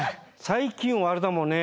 最近はあれだもんね